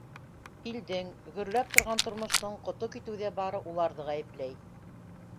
Илдең, гөрләп торған тормоштоң ҡото китеүҙә бары уларҙы ғәйепләй.